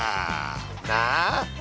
なあ？